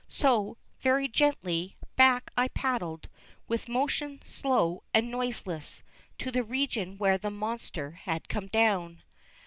So, very gently back I paddled, with motion slow and noiseless, to the region where the monster had come down.